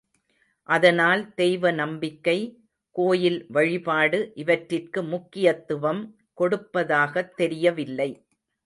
அதனால் தெய்வ நம்பிக்கை, கோயில் வழிபாடு இவற்றிற்கு முக்கியத்துவம் கொடுப்பதாகத் தெரியவில்லை.